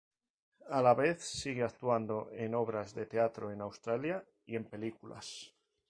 A la vez sigue actuando en obras de teatro en Australia y en películas.